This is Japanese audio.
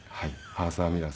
アーサー・ミラー。